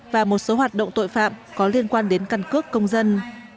và một số hoạt động tội phạm có liên quan đến căn cước công dân